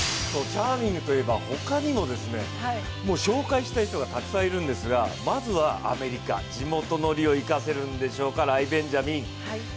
チャーミングといえばほかにも紹介したい人がたくさんいるんですがまずはアメリカ地元の利を生かせるんでしょうかライ・ベンジャミン。